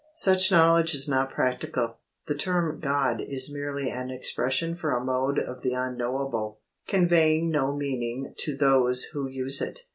Such knowledge is not practical. The term "God" is merely an expression for a mode of the unknowable, conveying no meaning to those who use it.